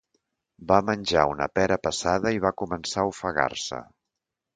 Va menjar una pera passada i va començar a ofegar-se.